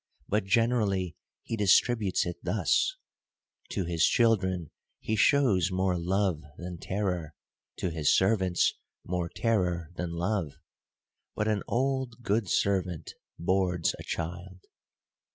But, generally, he distributes it thus : to his children, he shews more love than terror ; to his servants, more terror than love ; but an old good servant boards a child.